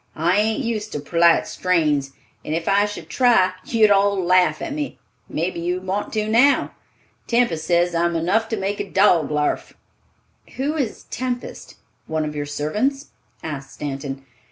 I ain't used to perlite strains, and if I should try you'd all larf at me—mebby you want to now. Tempest say's I'm enough to make a dog larf." "Who is Tempest? One of your servants?" asked Stanton.